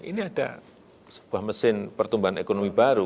ini ada sebuah mesin pertumbuhan ekonomi baru